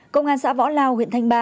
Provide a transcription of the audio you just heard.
công an xã võ lao huyện thanh ba